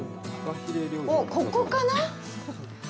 おっ、ここかな？